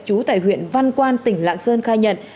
trú tại huyện văn quan tỉnh lạng sơn khai nhận